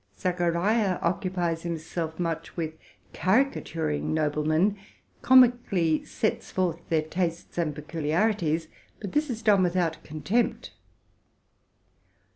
Zacharia occupies himself much with country noblemen, comically sets forth their tastes and pe culiarities ; but this is done without contempt.